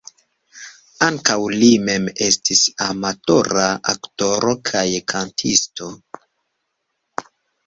Ankaŭ li mem estis amatora aktoro kaj kantisto.